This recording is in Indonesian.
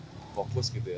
fokus gitu ya